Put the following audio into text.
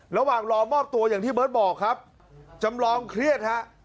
ระหว่างรอมอบตัวอย่างที่เบิร์ตบอกครับจำลองเครียดฮะ